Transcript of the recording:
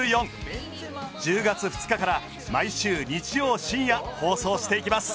１０月２日から毎週日曜深夜放送していきます。